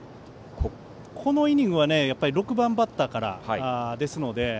このイニングは６番バッターからなので。